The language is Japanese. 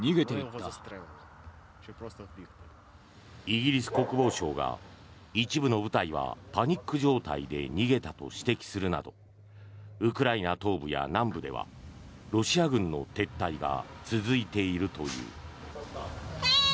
イギリス国防省が一部の部隊はパニック状態で逃げたと指摘するなどウクライナ東部や南部ではロシア軍の撤退が続いているという。